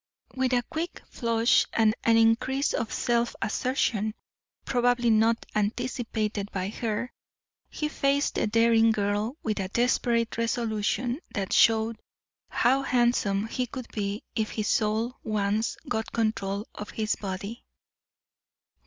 With a quick flush and an increase of self assertion, probably not anticipated by her, he faced the daring girl with a desperate resolution that showed how handsome he could be if his soul once got control of his body.